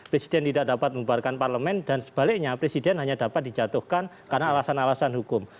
presiden tidak dapat membuarkan parlemen dan sebaliknya presiden hanya dapat dijatuhkan karena alasan alasan hukum